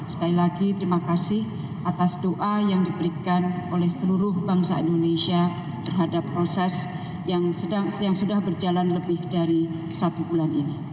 sekali lagi terima kasih atas doa yang diberikan oleh seluruh bangsa indonesia terhadap proses yang sudah berjalan lebih dari satu bulan ini